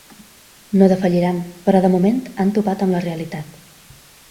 No defalliran, però de moment, han topat amb la realitat.